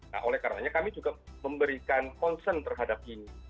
nah oleh karenanya kami juga memberikan concern terhadap ini